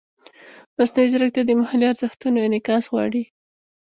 مصنوعي ځیرکتیا د محلي ارزښتونو انعکاس غواړي.